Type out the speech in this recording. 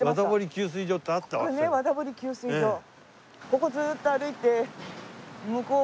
ここずーっと歩いて。